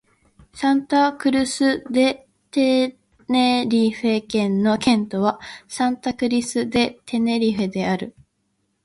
サンタ・クルス・デ・テネリフェ県の県都はサンタ・クルス・デ・テネリフェである